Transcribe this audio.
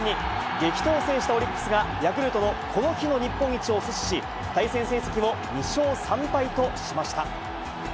激闘を制したオリックスが、ヤクルトのこの日の日本一を阻止し、対戦成績を２勝３敗としました。